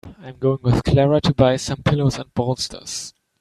I'm going with Clara to buy some pillows and bolsters.